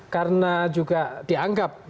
karena juga dianggap